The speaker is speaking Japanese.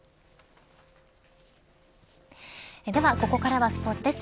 ではここからはスポーツです。